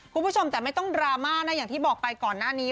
คุณผู้ชมแต่ไม่ต้องดราม่านะอย่างที่บอกไปก่อนหน้านี้